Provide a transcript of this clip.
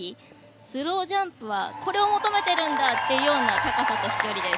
スロージャンプはこれを求めているんだというような高さと飛距離です。